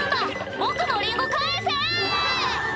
僕のリンゴ返せ！」